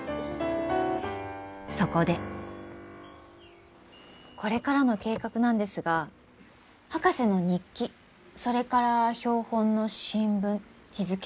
そこでこれからの計画なんですが博士の日記それから標本の新聞日付